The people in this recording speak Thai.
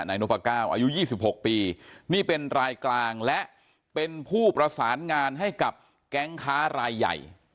นพก้าวอายุ๒๖ปีนี่เป็นรายกลางและเป็นผู้ประสานงานให้กับแก๊งค้ารายใหญ่